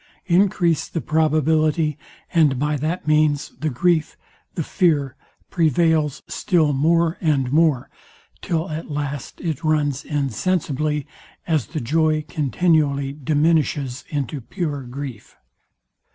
Encrease the probability, and by that means the grief, the fear prevails still more and more, till at last it runs insensibly, as the joy continually diminishes, into pure grief.